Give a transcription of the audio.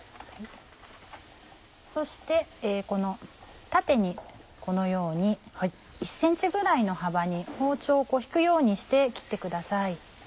そして縦にこのように１ｃｍぐらいの幅に包丁を引くようにして切ってください。